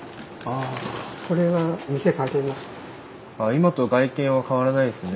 今と外見は変わらないですね。